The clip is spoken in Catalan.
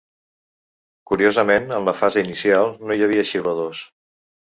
Curiosament en la fase inicial no hi havia xiuladors.